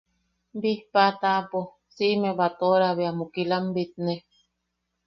Bijpaa taʼapo siʼime batoʼora bea mukilam bitne.